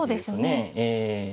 ええ。